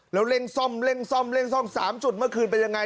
แล้วเร่งซ่อม๓จุดเมื่อคืนเป็นยังไง